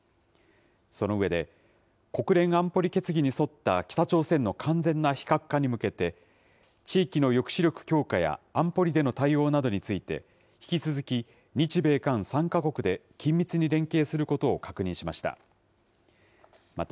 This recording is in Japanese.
その上で、国連安保理決議に沿った北朝鮮の完全な非核化に向けて、地域の抑止力強化や、安保理での対応などについて、引き続き日米韓３か国で、緊密に連携することを確認しました。